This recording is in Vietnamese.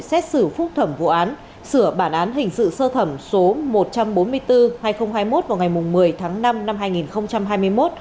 xét xử phúc thẩm vụ án sửa bản án hình sự sơ thẩm số một trăm bốn mươi bốn hai nghìn hai mươi một vào ngày một mươi tháng năm năm hai nghìn hai mươi một